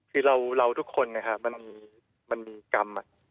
คือเราทุกคนนะครับมันมีกรรม